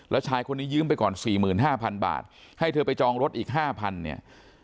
แล้วชายคนนี้ยืมไปก่อน๔๕๐๐บาทให้เธอไปจองรถอีก๕๐๐เนี่ย